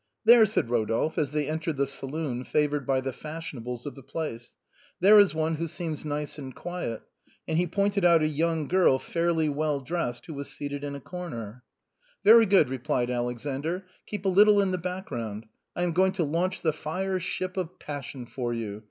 " There," said Eodolphe, as they entered the saloon favored by the fashionables of the place, " there is one who seems nice and quiet ;" and he pointed out a young girl fairly well dressed who was seated in a comer. " Very good," replied Alexander, " keep a little in the background; I am going to launch the fire ship of passion for you.